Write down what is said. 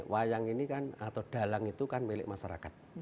wayang ini kan atau dalang itu kan milik masyarakat